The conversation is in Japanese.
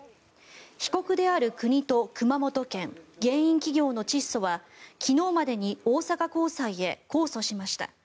被告である国と熊本県原因企業のチッソは昨日までに大阪高裁へ控訴しました。